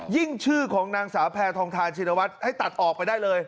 ยิ่งชื่อของนางสาวแพทองทานชินวัฒน์ให้ตัดออกไปได้เลย